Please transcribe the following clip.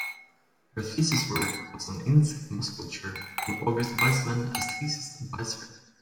Her thesis work was on insect musculature with August Weismann as thesis advisor.